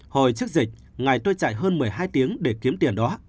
hồi trước dịch ngày tôi chạy hơn một mươi hai tiếng để kiếm tiền đó